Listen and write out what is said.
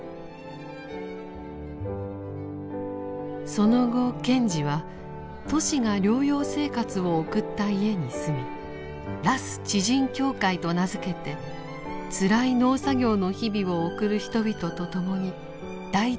その後賢治はトシが療養生活を送った家に住み羅須地人協会と名付けてつらい農作業の日々を送る人々と共に大地に生きようとしました。